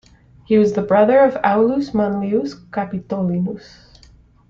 He was the brother of Aulus Manlius Capitolinus.